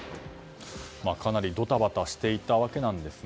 かなりドタバタしていたんですね。